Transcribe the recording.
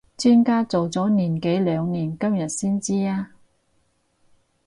磚家做咗年幾兩年今日先知呀？